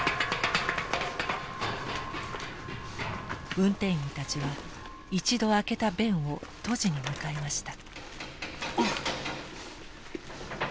運転員たちは一度開けた弁を閉じに向かいました。